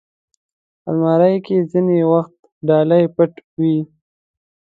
الماري کې ځینې وخت ډالۍ پټ وي